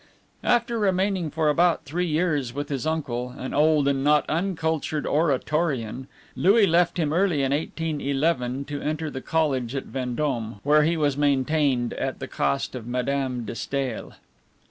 After remaining for about three years with his uncle, an old and not uncultured Oratorian, Louis left him early in 1811 to enter the college at Vendome, where he was maintained at the cost of Madame de Stael.